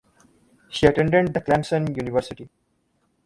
She attended the Clemson University.